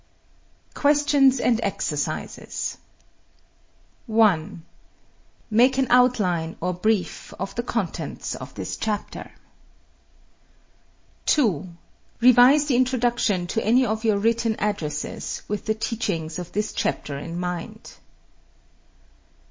QUESTIONS AND EXERCISES 1. Make an outline, or brief, of the contents of this chapter. 2. Revise the introduction to any of your written addresses, with the teachings of this chapter in mind.